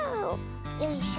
よいしょ。